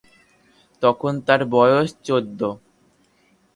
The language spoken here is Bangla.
তখন তাঁর বয়স চৌদ্দ।